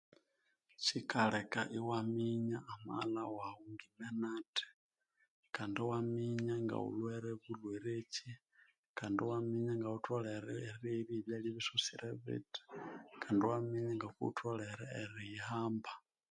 Kyikaleka iwaminya amaghalha waghu ngimene athi kandi iwaminya ngaghulhwere bulhwere kyi kandi iwaminya ngaghutholere erirya byalya ebisosire bithi kandi iwaminya ngokughutholere eriyihamba